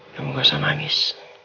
kamu rasa manis